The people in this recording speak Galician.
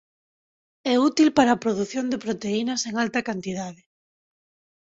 É útil para a produción de proteínas en alta cantidade.